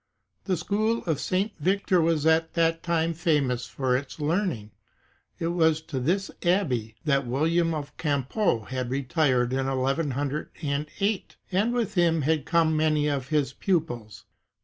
* The school of St. Victor was at that time famous for its learning. It was to this abbey that William of Champeaux had retired in 1108, and with him had come many of his pupils.